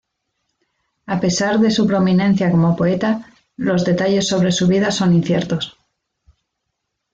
A pesar de su prominencia como poeta, los detalles sobre su vida son inciertos.